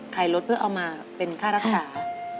ขายรถเพื่อเอามาเป็นค่ารักษา